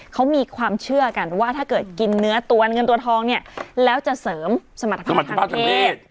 เขามีความเชื่อกันว่าถ้าเกิดกินเนื้อตัวเงินตัวทองเนี่ยแล้วจะเสริมสมรรถภาพทางเพศ